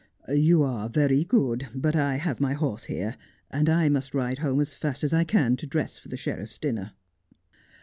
' You are very good, but I have my horse here, and I must ride home as fast as I can to dress for the sheriff's dinner.'